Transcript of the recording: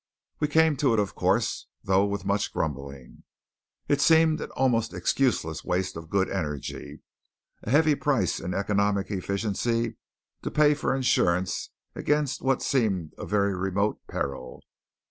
We came to it, of course, though with much grumbling. It seemed an almost excuseless waste of good energy; a heavy price in economic efficiency to pay for insurance against what seemed a very remote peril.